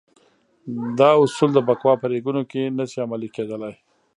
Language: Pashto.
دا اصول د بکواه په ریګونو کې نه شي عملي کېدلای.